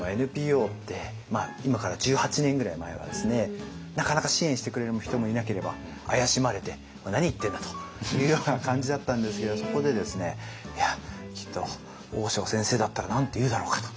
このＮＰＯって今から１８年ぐらい前はですねなかなか支援してくれる人もいなければ怪しまれて「何言ってんだ？」というような感じだったんですけどそこでですねいやきっと大塩先生だったら何て言うだろうかと。